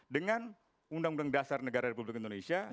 dengan undang undang dasar negara republik indonesia